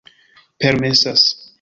permesas